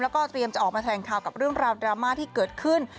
แล้วก็เตรียมจะออกมาแถลงข่าวกับเรื่องราวดราม่าที่เกิดขึ้น